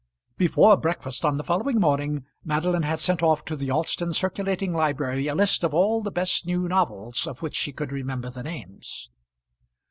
Before breakfast on the following morning Madeline had sent off to the Alston circulating library a list of all the best new novels of which she could remember the names.